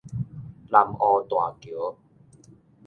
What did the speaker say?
南湖大橋